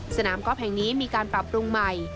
สนามกอล์ฟแห่งนี้มีการปรับปรุงใหม่